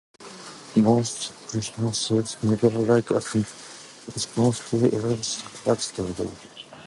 Most critics saw the novel as a knee-jerk response to Erich Segal's "Love Story".